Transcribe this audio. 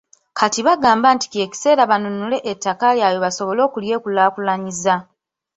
Kati bagamba nti kye kiseera banunule ettaka lyabwe basobole okulyekulaakulanyiza.